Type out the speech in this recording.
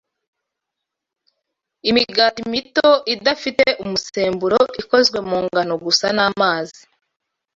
Imigati mito idafite umusemburo, ikozwe mu ngano gusa n’amazi